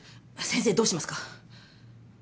先生どうしますか？